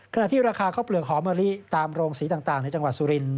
ขณะที่ราคาข้าวเปลือกหอมะลิตามโรงสีต่างในจังหวัดสุรินท